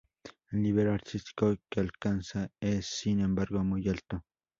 El nivel artístico que alcanza es sin embargo muy alto.